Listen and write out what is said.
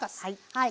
はい。